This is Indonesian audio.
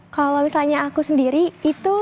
kalau misalnya aku sendiri itu